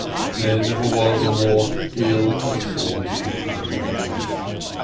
There never was a more ill assorted union."